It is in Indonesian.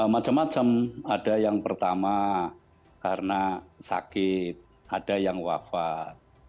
macam macam ada yang pertama karena sakit ada yang wafat